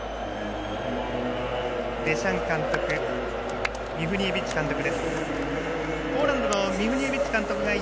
デシャン監督とミフニエビッチ監督です。